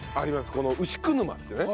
この牛久沼ってね